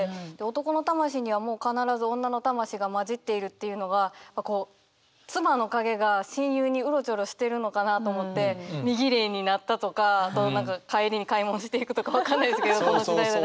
「男の魂にはもうかならず女の魂が交じっている」っていうのがこう妻の影が親友にうろちょろしてるのかなと思って身ぎれいになったとか帰りに買い物していくとか分かんないですけどこの時代は。